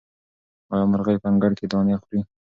آیا مرغۍ په انګړ کې دانې خوري؟